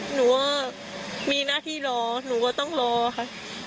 หนูว่ามีหน้าที่รอหนูก็ต้องรอค่ะ